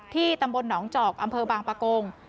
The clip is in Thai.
ตำบลหนองจอกอำเภอบางปะโกง